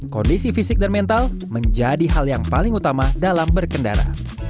kondisi fisik dan mental menjadi hal yang paling utama dalam berkendara